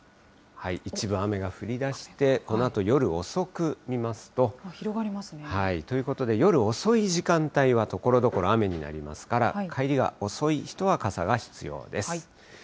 一部雨が降りだして、このあと夜広がりますね。ということで、夜遅い時間帯はところどころ雨になりますから、帰りが遅い人は傘が必要です。